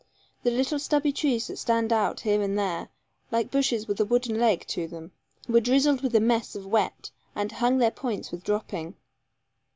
The little stubby trees that stand here and there, like bushes with a wooden leg to them, were drizzled with a mess of wet, and hung their points with dropping.